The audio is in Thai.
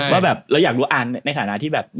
ว่าแบบเราอยากรู้อันในฐานะที่แบบ